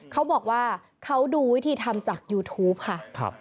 เขาบอกว่าเขาดูวิธีทำจากยูทูปค่ะ